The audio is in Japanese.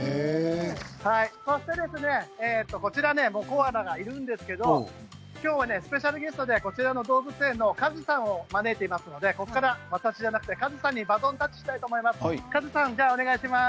そしてコアラがいるんですけれども今日はスペシャルゲストでこちらの動物園のＫａｚｕさんを招いていますのでここから私じゃなくてＫａｚｕさんにバトンタッチしたいと思います。